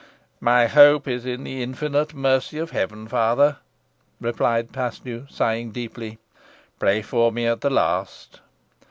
"My hope is in the infinite mercy of Heaven, father," replied Paslew, sighing deeply. "Pray for me at the last."